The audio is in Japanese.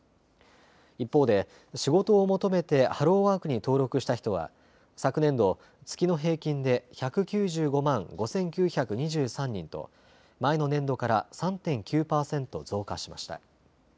一方で仕事を求めてハローワークに登録した人は昨年度、月の平均で１９５万５９２３人と前の年度から３．９％増加しました。